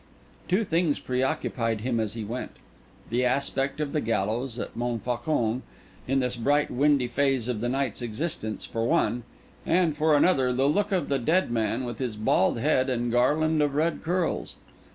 Two things preoccupied him as he went: the aspect of the gallows at Montfaucon in this bright windy phase of the night's existence, for one; and for another, the look of the dead man with his bald head and garland of red curls.